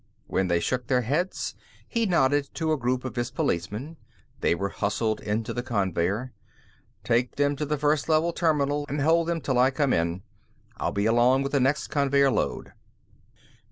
When they shook their heads, he nodded to a group of his policemen; they were hustled into the conveyer. "Take them to the First Level terminal and hold them till I come in. I'll be along with the next conveyer load."